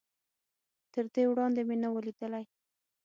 تر دې وړاندې مې نه و ليدلی.